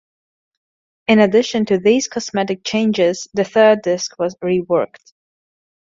In addition to these cosmetic changes, the third disc was reworked.